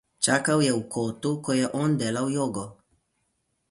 Čakal je v kotu, ko je on delal jogo.